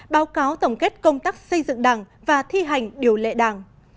báo cáo tổng kết công tác xây dựng đảng và thi hành điều lệ đảng